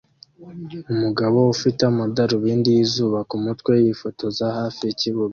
Umugabo ufite amadarubindi yizuba kumutwe yifotoza hafi yikibuga